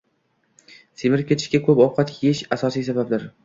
Semirib ketishga ko‘p ovqat yeyish asosiy sababdir.